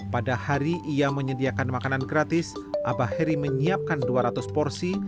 pada hari ia menyediakan makanan gratis abah heri menyiapkan dua ratus porsi